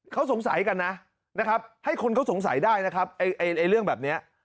เค้าสงสัยกันนะให้คนเค้าสงสัยได้นะครับ